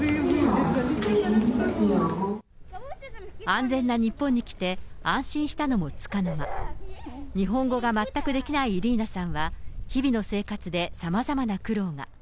安全な日本に来て、安心したのもつかの間、日本語が全くできないイリーナさんは、日々の生活でさまざまな苦労が。